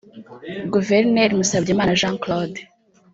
Guverineri Musabyimana Jean Claude